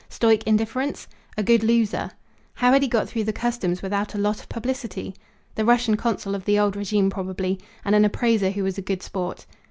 Stoic indifference? A good loser? How had he got through the customs without a lot of publicity? The Russian consul of the old regime probably; and an appraiser who was a good sport.